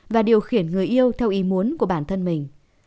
và điều khiển người yêu theo ý muốn của bản thân mình